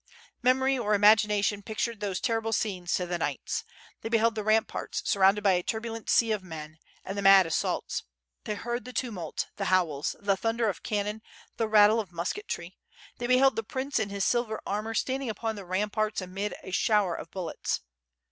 Memory or imagination pictured those terrible scenes to the knights. They beheld the ramparts surrounded by a turbulent sea of men, and the mad assaults; they heard the tumult, the howls, the thunder of cannon, the rattle of musketry; they beheld the prince in his silver armor, standing upon the ramparts amidst a showei of bullets.